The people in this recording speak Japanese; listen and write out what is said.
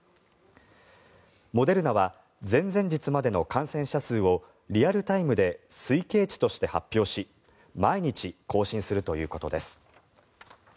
モデルナは前々日までの感染者数をリアルタイムで推計値として発表し毎日、更新するということです。